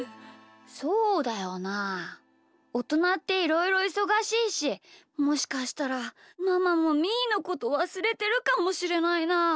そうだよなあおとなっていろいろいそがしいしもしかしたらママもみーのことわすれてるかもしれないな。